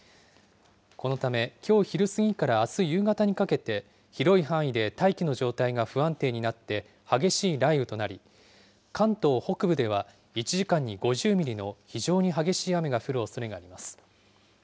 このため、きょう昼過ぎからあす夕方にかけて、広い範囲で大気の状態が不安定になって、激しい雷雨となり、関東北部では、１時間に５０ミリの非常に激しい雨が降るおそれがあります。